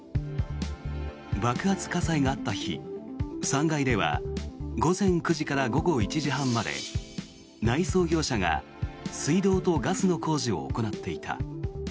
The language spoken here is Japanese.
爆発火災があった日、３階では午前９時から午後１時半まで内装業者が水道とガスの工事を行っていた。